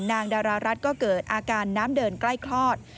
ดารารัฐก็เกิดอาการน้ำเดินใกล้คลอด